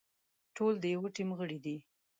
ټول د يوه ټيم غړي دي.